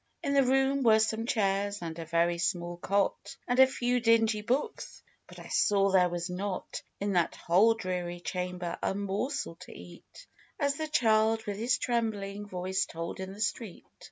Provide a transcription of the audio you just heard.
"In the room were some chairs, and a very small cot, And a few dingy books ; but I saw there was not In that whole dreary chamber a morsel to eat, As the child, with his trembling voice, told in the street.